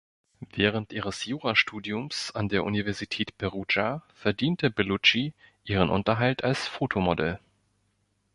Während ihres Jura-Studiums an der Universität Perugia verdiente Bellucci ihren Unterhalt als Fotomodell.